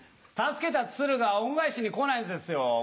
助けた鶴が恩返しに来ないんですよ。